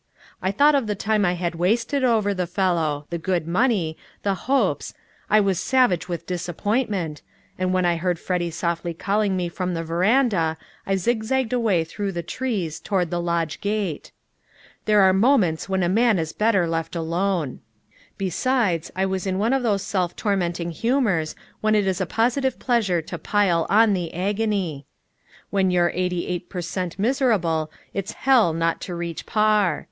I thought of the time I had wasted over the fellow the good money the hopes I was savage with disappointment, and when I heard Freddy softly calling me from the veranda I zigzagged away through the trees toward the lodge gate. There are moments when a man is better left alone. Besides, I was in one of those self tormenting humors when it is a positive pleasure to pile on the agony. When you're eighty eight per cent. miserable it's hell not to reach par.